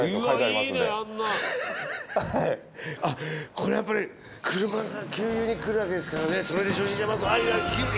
これやっぱり車が給油に来るわけですからね。